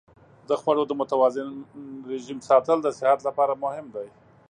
د خوړو د متوازن رژیم ساتل د صحت لپاره مهم دی.